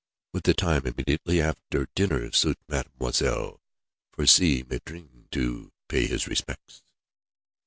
"Would the time immediately after dinner suit Mademoiselle, for Si Maïeddine to pay his respects?"